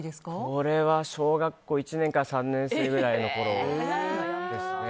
これは、小学校１年から３年生ぐらいのころですね。